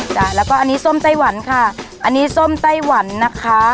จ้ะแล้วก็อันนี้ส้มไต้หวันค่ะอันนี้ส้มไต้หวันนะคะ